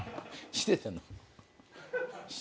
してたの？